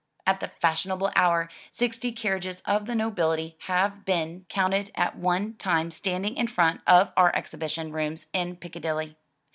At the fashionable hour, sixty carriages of the nobility have been counted at one time standing in front of our exhibition rooms in Piccadilly.